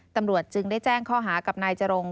ตำรวจจึงได้แจ้งข้อหากับนายจรง